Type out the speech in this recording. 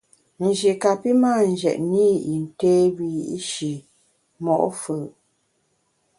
Nji kapi mâ njetne i yin té wiyi’shi mo’ fù’.